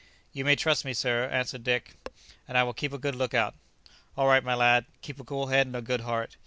"You may trust me, sir," answered Dick; "and I will keep a good look out." "All right, my lad; keep a cool head and a good heart.